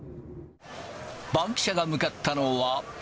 バンキシャが向かったのは。